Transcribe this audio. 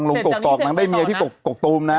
และได้เมียที่ตกตูมนะ